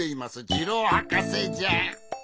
ジローはかせじゃ。